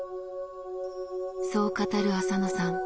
そう語る浅野さん。